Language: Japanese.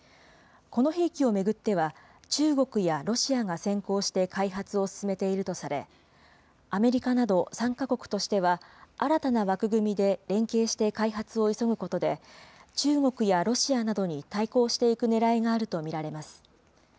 この兵器を巡っては、中国やロシアが先行して開発を進めているとされ、アメリカなど３か国としては、新たな枠組みで連携して開発を急ぐことで、中国やロシアなどに対抗していくねらいがあると見られます。